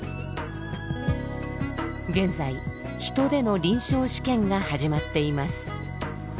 現在人での臨床試験が始まっています。